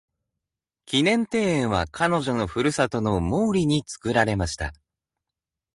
記念庭園は彼女の故郷のモーリーに作られました。